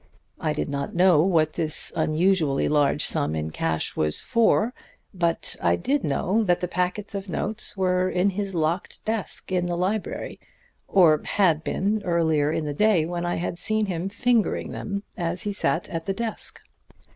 I did not know what this unusually large sum in cash was for; but I did know that the packets of notes were in his locked desk in the library, or had been earlier in the day, when I had seen him fingering them as he sat at the desk.